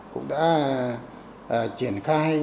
cũng đã triển khai